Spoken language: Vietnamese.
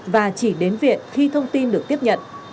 và chỉ đến viện khi thông tin được tiếp nhận